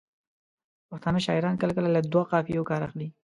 پښتانه شاعران کله کله له دوو قافیو کار اخلي.